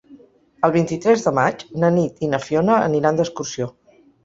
El vint-i-tres de maig na Nit i na Fiona aniran d'excursió.